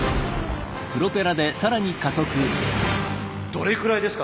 どれくらいですか？